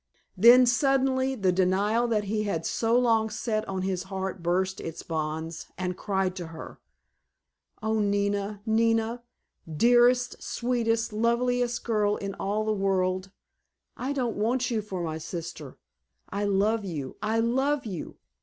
Then suddenly the denial that he had so long set on his heart burst its bonds and cried to her, "Oh, Nina, Nina, dearest, sweetest, loveliest girl in all the world, I don't want you for my sister. I love you, I love you!